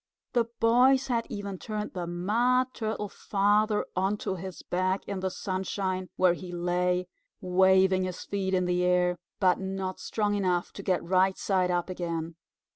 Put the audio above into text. The boys had even turned the Mud Turtle Father onto his back in the sunshine, where he lay, waving his feet in the air, but not strong enough to get right side up again.